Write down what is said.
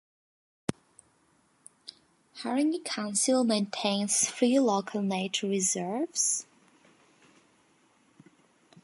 Haringey Council maintains three local nature reserves.